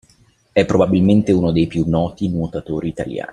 È probabilmente uno dei più noti nuotatori italiani.